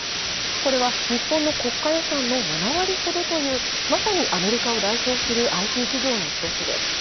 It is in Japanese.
これは日本の国家予算の７割ほどというまさにアメリカを代表するＩＴ企業の一つです。